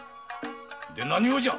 で何用じゃ！